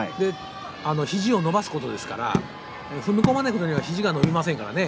肘を伸ばすことですから踏み込まないことには肘が伸びません。